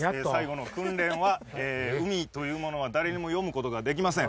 海というものは誰にも読むことができません。